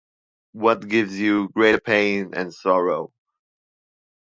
What gives you greater pain and sorrow?